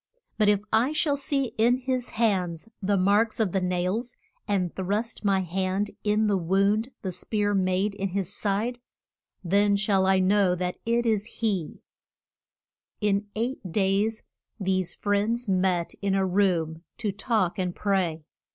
But if I shall see in his hands the marks of the nails, and thrust my hand in the wound the spear made in his side, then shall I know that it is he. [Illustration: HE IS RIS EN.] In eight days these friends met in a room to talk and pray.